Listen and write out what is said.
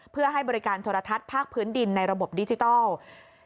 เพื่อให้บริการโทรทัศน์ภาคพื้นดินในระบบดิจิทัล